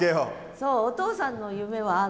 そうお父さんの夢はあるの？